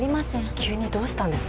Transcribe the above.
急にどうしたんですか？